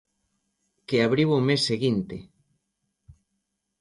Que abriu o mes seguinte.